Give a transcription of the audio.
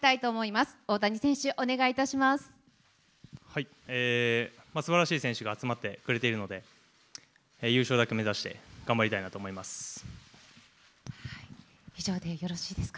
すばらしい選手が集まってくれているので、優勝だけ目指して、以上でよろしいですか。